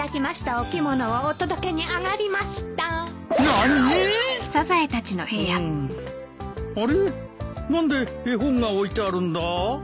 何で絵本が置いてあるんだ？